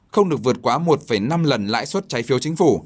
không được vượt quá một năm lần lãi suất trái phiếu chính phủ